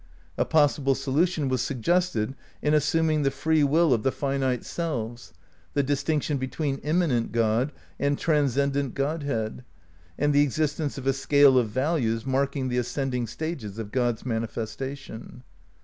A possible solution was suggested in assuming the free will of the finite selves, the distinction between immanent God and tran scendent Godhead, and the existence of a scale of values marking the ascending stages of God's manifestation.